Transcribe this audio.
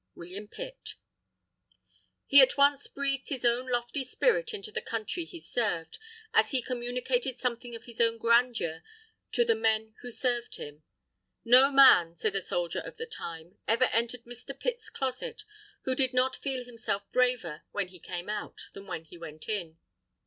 _ WILLIAM PITT _He at once breathed his own lofty spirit into the Country he served, as he communicated something of his own grandeur to the men who served him._ _"No man," said a soldier of the time, "ever entered Mr. Pitt's closet, who did not feel himself braver when he came out, than when he went in."